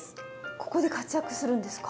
ここで活躍するんですか？